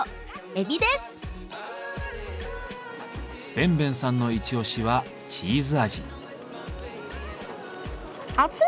奔奔さんのイチオシはチーズ味。